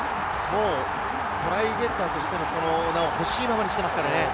トライゲッターとしての名を欲しいままにしています。